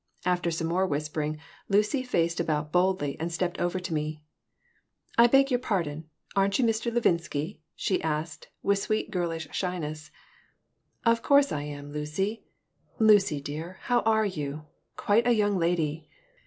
After some more whispering Lucy faced about boldly and stepped over to me "I beg your pardon. Aren't you Mr. Levinsky?" she asked, with sweet, girlish shyness "Of course I am, Lucy! Lucy dear, how are you? Quite a young lady!"